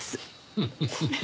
フフフフ。